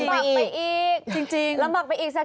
ลำบับไปอีกจริง